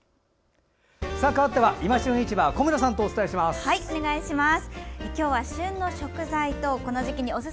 かわって「いま旬市場」小村さんとお伝えします。